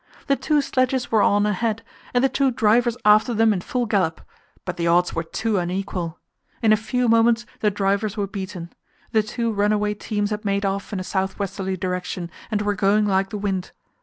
The two sledges were on ahead, and the two drivers after them in full gallop; but the odds were too unequal in a few moments the drivers were beaten. The two runaway teams had made off in a south westerly direction, and were going like the wind.